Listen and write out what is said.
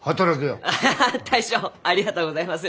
アハハ大将ありがとうございます！